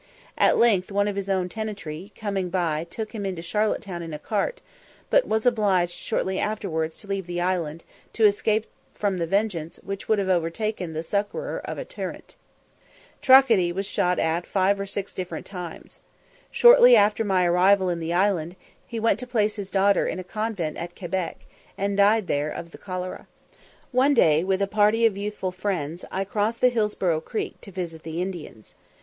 At length one of his own tenantry, coming by, took him into Charlotte Town in a cart, but was obliged shortly afterwards to leave the island, to escape from the vengeance which would have overtaken the succourer of a tyrant. Tracadie was shot at five or six different times. Shortly after my arrival in the island, he went to place his daughter in a convent at Quebec, and died there of the cholera. One day, with a party of youthful friends, I crossed the Hillsboro' Creek, to visit the Indians.